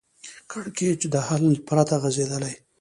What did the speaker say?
کړکېچ د حل پرته غځېدلی